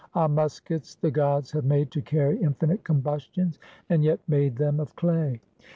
Ah, muskets the gods have made to carry infinite combustions, and yet made them of clay!